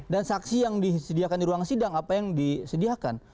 dan saksi yang disediakan di ruang sidang apa yang disediakan